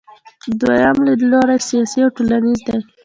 دویم لیدلوری سیاسي او ټولنیز دی.